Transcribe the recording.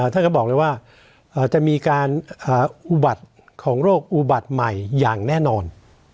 ท่านก็บอกเลยว่าจะมีการอุบัติของโรคอุบัติใหม่อย่างแน่นอน